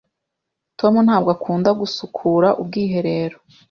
Tom ntabwo akunda gusukura ubwiherero.